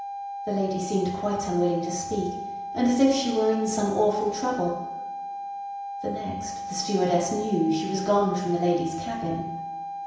The lady seemed quite unwilling to speak, and as if she were in some awful trouble. The next the stewardess knew she was gone from the ladies' cabin.